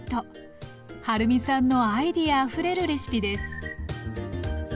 はるみさんのアイデアあふれるレシピです。